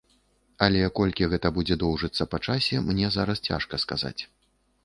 Але колькі гэта будзе доўжыцца па часе, мне зараз цяжка сказаць.